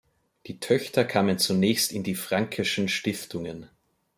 Die Töchter kamen zunächst in die Franckeschen Stiftungen.